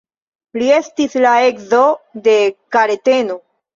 Li estis la edzo de Kareteno.